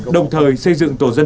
đồng thời xây dựng tổ dân